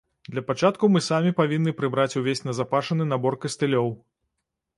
Для пачатку мы самі павінны прыбраць увесь назапашаны набор кастылёў.